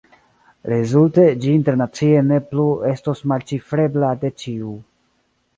Rezulte ĝi internacie ne plu estos malĉifrebla de ĉiu.